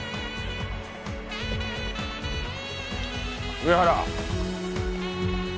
上原。